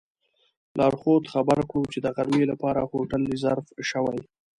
لارښود خبر کړو چې د غرمې لپاره هوټل ریزرف شوی.